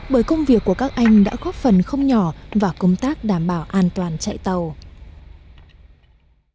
bởi công việc của các anh đã góp phần không nhỏ vào công tác đảm bảo an toàn chạy tàu